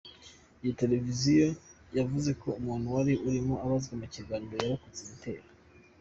Iyi Televiziyo yavuze ko umuntu wari urimo abazwa mu kiganiro yarokotse igitero.